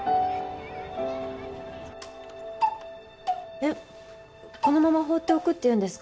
えっこのまま放っておくっていうんですか？